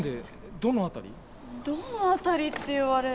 どの辺りって言われると。